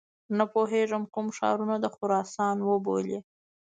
نه پوهیږي کوم ښارونه د خراسان وبولي.